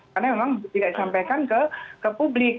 karena memang tidak disampaikan ke publik